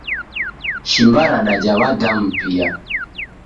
Shimba radaja w`adamu pia